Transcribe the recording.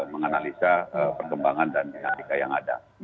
menganalisa perkembangan dan dinamika yang ada